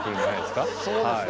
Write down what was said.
そうですね。